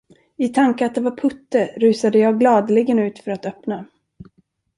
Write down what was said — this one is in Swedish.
I tanke att det var Putte, rusade jag gladeligen ut för att öppna.